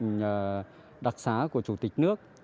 nhận quyết định đặc xá của chủ tịch nước